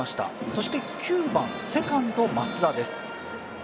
そして９番、セカンド・松田です。